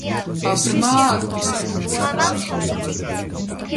ბრმა, თვალხილულს ატყუებდ